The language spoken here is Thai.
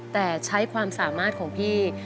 แต่ใช้ความสามารถของพี่